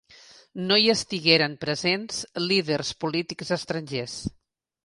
No hi estigueren presents líders polítics estrangers.